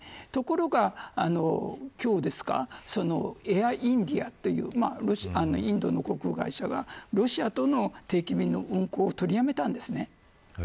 ところが今日ですかエアインディアというインドの航空会社がロシアとの定期便の運航を取りやめたんです。